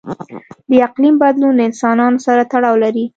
د اقلیم بدلون له انسانانو سره تړاو لري.